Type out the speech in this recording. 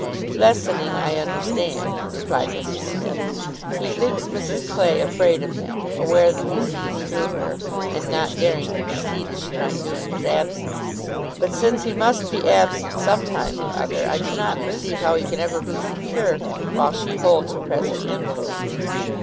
"Lessening, I understand," replied Mrs Smith. "He thinks Mrs Clay afraid of him, aware that he sees through her, and not daring to proceed as she might do in his absence. But since he must be absent some time or other, I do not perceive how he can ever be secure while she holds her present influence.